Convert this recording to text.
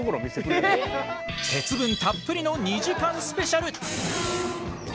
鉄分たっぷりの２時間スペシャル！